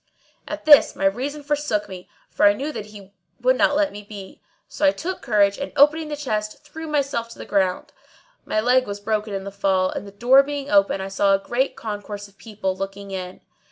At this, my reason forsook me, for I knew that he would not let me be; so I took courage and opening the chest threw myself to the ground. My leg was broken in the fall, and the door being open I saw a great concourse of people looking in.